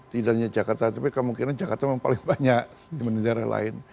tidak hanya jakarta tapi kemungkinan jakarta memang paling banyak dibanding daerah lain